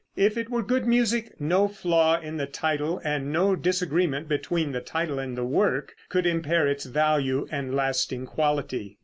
If it were good music, no flaw in the title and no disagreement between the title and the work could impair its value and lasting quality.